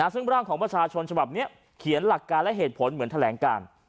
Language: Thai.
ซึ่งร่างของประชาชนฉบับนี้เขียนหลักการและเหตุผลเหมือนแถลงการ